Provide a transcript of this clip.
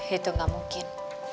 itu gak mungkin